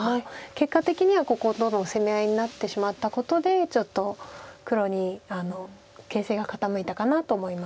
結果的にはここどんどん攻め合いになってしまったことでちょっと黒に形勢が傾いたかなと思います。